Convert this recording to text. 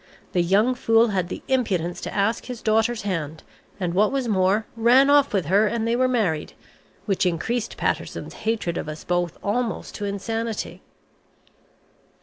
The young fool had the impudence to ask his daughter's hand, and what was more, ran off with her and they were married, which increased Patterson's hatred of us both almost to insanity."